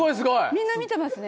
みんな見てますね。